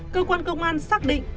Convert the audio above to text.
cơ quan công an xác định